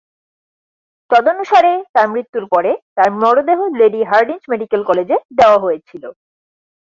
তদনুসারে, তার মৃত্যুর পরে তার মরদেহ লেডি হার্ডিঞ্জ মেডিকেল কলেজে দেওয়া হয়েছিল।